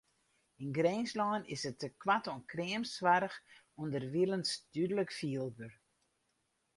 Yn Grinslân is it tekoart oan kreamsoarch ûnderwilens dúdlik fielber.